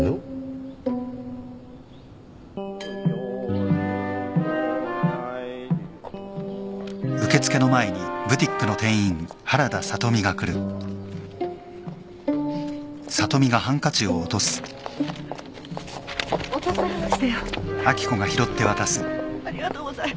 ありがとうございます。